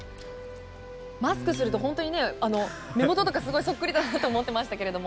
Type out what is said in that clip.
マスクすると、本当に目元とかそっくりだなと思ってましたけれども。